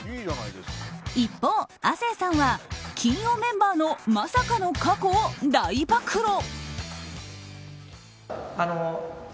一方、亜生さんは金曜メンバーのまさかの過去を大暴露。